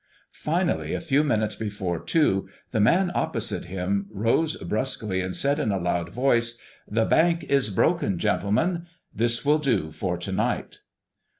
Finally, a few minutes before two the man opposite him rose brusquely and said in a loud voice, "The bank is broken, gentlemen; this will do for to night."